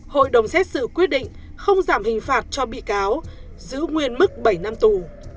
hội đồng xét xử quyết định không giảm hình phạt cho bị cáo giữ nguyên mức bảy năm tù